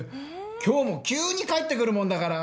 今日も急に帰ってくるもんだから。